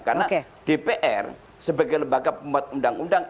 karena dpr sebagai lembaga pembuat undang undang